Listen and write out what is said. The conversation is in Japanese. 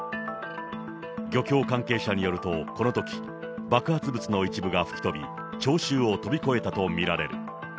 漁協関係者によると、このとき、爆発物の一部が吹き飛び、聴衆を飛び越えたと見られる。